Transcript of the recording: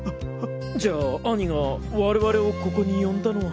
じゃあ兄が我々をここに呼んだのは。